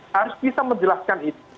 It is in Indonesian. harus bisa menjelaskan itu